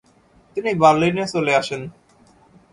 তিনি বার্লিনে চলে আসেন।